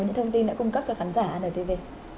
những thông tin đã cung cấp cho khán giả antv